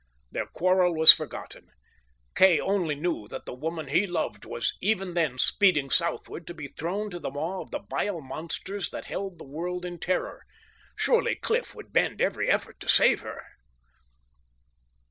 Their quarrel was forgotten. Kay only knew that the woman he loved was even then speeding southward to be thrown to the maw of the vile monsters that held the world in terror. Surely Cliff would bend every effort to save her!